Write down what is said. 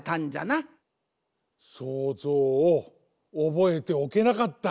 想像をおぼえておけなかった。